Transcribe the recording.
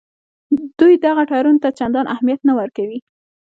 دوی دغه تړون ته چندان اهمیت نه ورکوي.